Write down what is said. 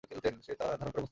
সে তা ধারণ করে মস্তিষ্কে।